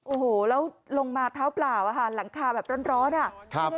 โอ้โหแล้วลงมาเท้าเปล่าอะค่ะหลังคาแบบร้อนอ่ะ